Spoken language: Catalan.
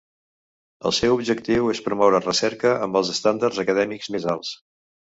El seu objectiu és promoure recerca amb els estàndards acadèmics més alts.